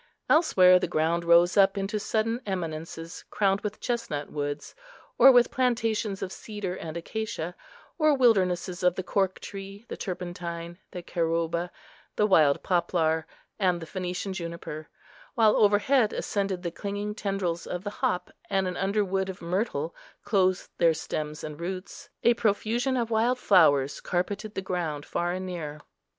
Elsewhere the ground rose up into sudden eminences crowned with chestnut woods, or with plantations of cedar and acacia, or wildernesses of the cork tree, the turpentine, the carooba, the white poplar, and the Phenician juniper, while overhead ascended the clinging tendrils of the hop, and an underwood of myrtle clothed their stems and roots. A profusion of wild flowers carpeted the ground far and near.